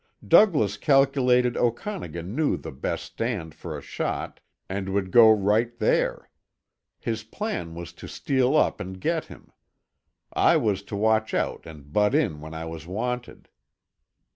Douglas calculated Okanagan knew the best stand for a shot and would go right there. His plan was to steal up and get him. I was to watch out and butt in when I was wanted."